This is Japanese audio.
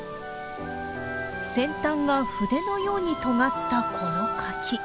先端が筆のようにとがったこの柿。